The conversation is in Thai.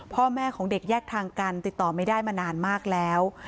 พ่อแม่ของเด็กแยกทางกันติดต่อไม่ได้มานานมากแล้ว